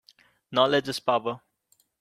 Knowledge is power